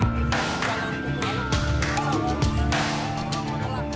silakan disini kami amankan